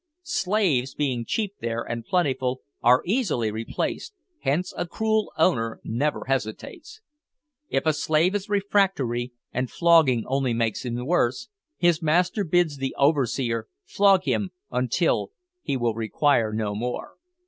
Slaves being cheap there, and plentiful, are easily replaced, hence a cruel owner never hesitates. If a slave is refractory, and flogging only makes him worse, his master bids the overseer flog him until "he will require no more."